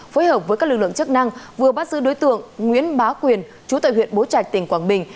phối hợp với các lực lượng chức năng vừa bắt giữ đối tượng nguyễn bá quyền chú tại huyện bố trạch tỉnh quảng bình